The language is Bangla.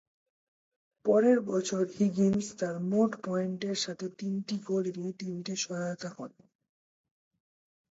পরের বছর, হিগিন্স তার মোট পয়েন্টের সাথে তিনটি গোল এবং তিনটি সহায়তা করেন।